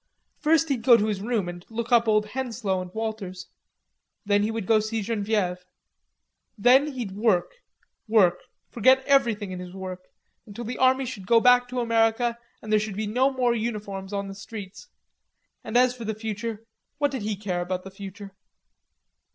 First he'd go to his room and look up old Henslowe and Walters. Then he would go to see Genevieve. Then he'd work, work, forget everything in his work, until the army should go back to America and there should be no more uniforms on the streets. And as for the future, what did he care about the future?